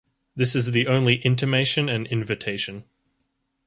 This is the only intimation and invitation.